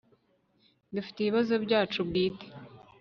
dufite ibibazo byacu bwite